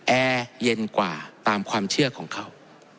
แอร์เย็นกว่าตามความเชื่อของเขา